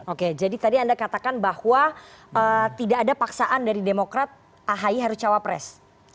oke jadi tadi anda katakan bahwa tidak ada paksaan dari demokrat ahi harus cawapres